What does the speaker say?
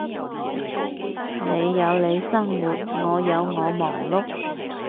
你有你生活，我有我忙碌